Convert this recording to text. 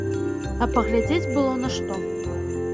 А паглядзець было на што.